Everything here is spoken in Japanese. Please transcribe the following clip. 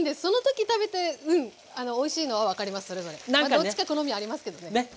どっちか好みありますけどねねっ。